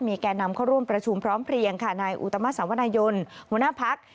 แก่นำเข้าร่วมประชุมพร้อมเพลียงค่ะนายอุตมาสวนายนหัวหน้าพัก